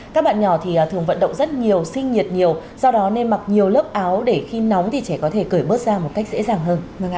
các bạn nhỏ thì thường vận động rất nhiều sinh nhiệt nhiều do đó nên mặc nhiều lớp áo để khi nóng thì trẻ có thể cởi bớt ra một cách dễ dàng hơn